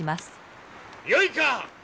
よいか！